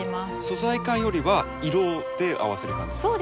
素材感よりは色で合わせる感じですか？